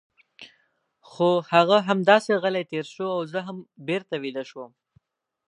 خو هغه همداسې غلی تېر شو او زه هم بېرته ویده شوم.